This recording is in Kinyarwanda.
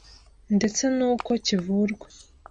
ndetse n’uko kivurwa.